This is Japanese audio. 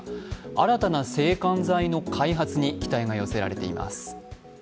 新たな制汗剤の開発に期待が寄せられています